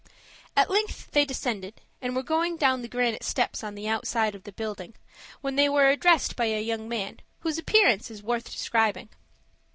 At length they descended, and were going down the granite steps on the outside of the building, when they were addressed by a young man, whose appearance is worth describing.